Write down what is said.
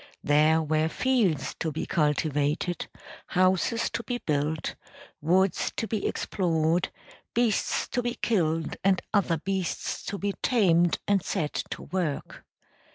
There were fields to be cultivated, houses to be built, woods to be explored, beasts to be killed and other beasts to be tamed and set to work.